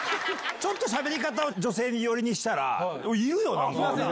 ちょっとしゃべり方、女性寄りにしたら、いるよ、なんか。